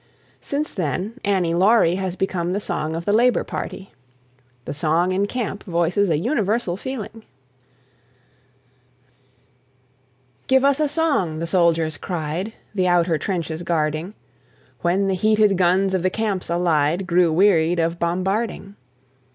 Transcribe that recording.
Since then "Annie Laurie" has become the song of the Labour party. "The Song in Camp" voices a universal feeling. (1825 78.) "Give us a song!" the soldiers cried, The outer trenches guarding, When the heated guns of the camps allied Grew weary of bombarding.